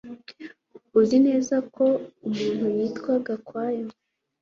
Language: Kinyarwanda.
Uzi neza ko umuntu yitwa Gakwaya